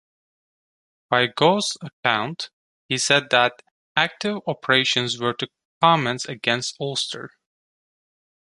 By Gough's account, he said that "active operations were to commence against Ulster".